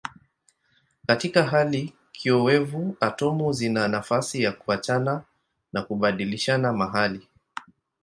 Katika hali kiowevu atomu zina nafasi ya kuachana na kubadilishana mahali.